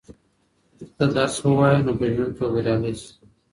که ته درس ووایې نو په ژوند کې به بریالی شې.